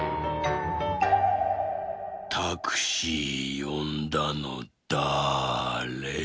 「タクシーよんだのだれ？